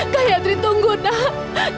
gayatri tunggu nak